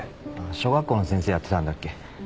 小学校の先生やってたんだっけ？